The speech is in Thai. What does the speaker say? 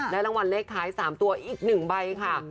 รางวัลเลขท้าย๓ตัวอีก๑ใบค่ะ